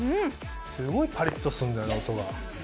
すごいパリっとするんだよ音が。